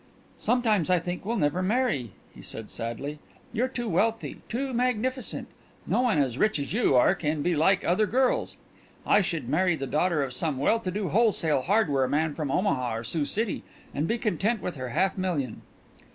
"Sometimes I think we'll never marry," he said sadly. "You're too wealthy, too magnificent. No one as rich as you are can be like other girls. I should marry the daughter of some well to do wholesale hardware man from Omaha or Sioux City, and be content with her half million."